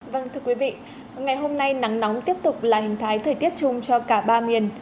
vâng thưa quý vị ngày hôm nay nắng nóng tiếp tục là hình thái thời tiết chung cho cả ba miền